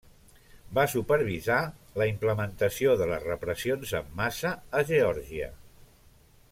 Va supervisar la implementació de les repressions en massa a Geòrgia.